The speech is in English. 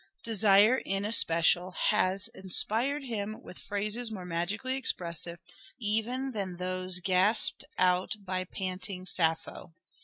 Desire, in especial, has inspired him with phrases more magically expressive even than those gasped out by panting Sappho."